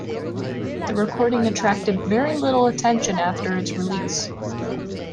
The recording attracted very little attention after its release.